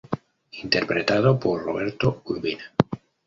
Interpretado por Roberto Urbina.